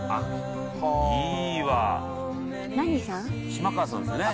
島川さんですよね？